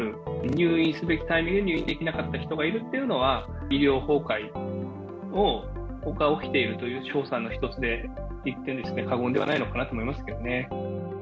入院すべきタイミングで入院できなかった人がいるっていうのは、医療崩壊が、僕は、起きているという証左の一つと言っても過言ではないのかなと思いますけどね。